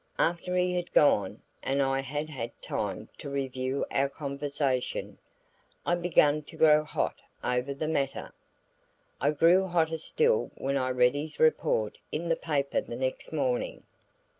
After he had gone, and I had had time to review our conversation, I began to grow hot over the matter. I grew hotter still when I read his report in the paper the next morning.